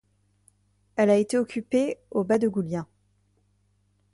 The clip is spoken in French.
Elle a été occupée au Badegoulien.